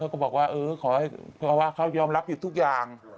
เขาก็บอกว่าเค้ายอมรับผิดทุกอย่าง